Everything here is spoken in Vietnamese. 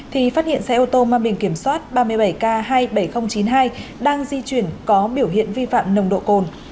thì phát hiện xe ô tô mang biển kiểm soát ba mươi bảy k hai mươi bảy nghìn chín mươi hai đang di chuyển có biểu hiện vi phạm nồng độ cồn